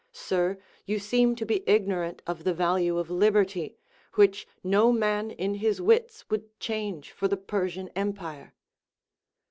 Sir, you seem to be ignorant of the value of liberty, which no man in his wits would change for the Persian empire.